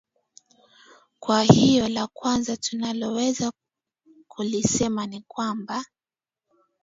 kwa hiyo la kwanza tunaloweza kulisema ni kwamba